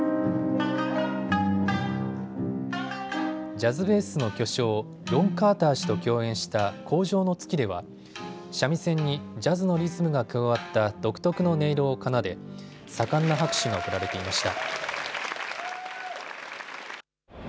ジャズベースの巨匠、ロン・カーター氏と共演した荒城の月では三味線にジャズのリズムが加わった独特の音色を奏で盛んな拍手が送られていました。